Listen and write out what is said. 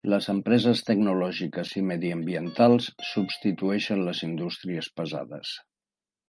Les empreses tecnològiques i mediambientals substitueixen les indústries pesades.